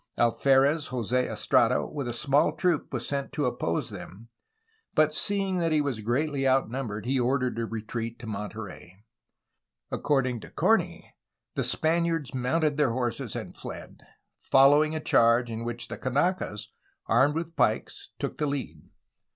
Alferez Jos6 Estrada with a small troop was sent to oppose them, but, seeing that he was greatly outnumbered, he ordered a retreat to Monterey. According to Corney ''The Spaniards mounted their horses and fled,'' following a charge in which the Kanakas, armed with pikes, took the lead.